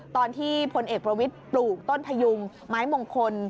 ตอนที่พลเอกบรมวิตปลูกต้นพยุงไม้มงคล